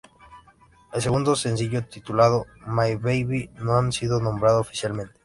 El segundo sencillo titulado My Baby, no ha sido nombrado oficialmente.